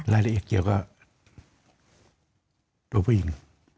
รายละเอียดเกี่ยวกับตัวผู้หญิง